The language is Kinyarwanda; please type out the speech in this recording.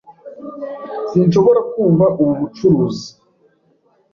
Sinshobora kumva ubu bucuruzi.